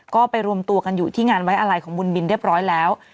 ก็ไปรวมตัวกันอยู่ที่งานไว้อะไรของบุญบินเรียบร้อยแล้ว